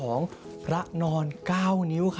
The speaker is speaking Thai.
อ๋อออกไปอีก